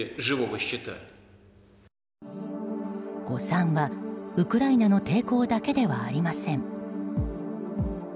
誤算は、ウクライナの抵抗だけではありません。